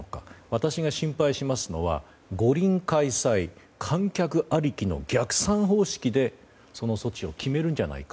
私が心配しますのは五輪開催、観客ありきの逆算方式でその措置を決めるんじゃないか。